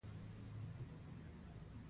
په کومه طريقه چې ترسره کېږي ورسره مخالف وي.